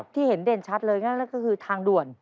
ที่เห็นเด่นชัดเลยนั่นก็คือทางด่วน